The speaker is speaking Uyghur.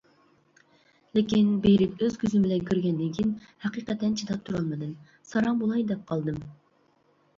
لېكىن بېرىپ ئۆز كۆزۈم بىلەن كۆرگەندىن كېيىن ھەقىقەتەن چىداپ تۇرالمىدىم، ساراڭ بولاي دەپ قالدىم!